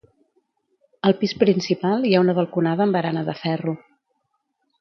Al pis principal hi ha una balconada amb barana de ferro.